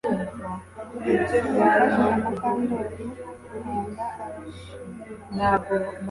Trix yafashije Mukandoli guhunga abashimusi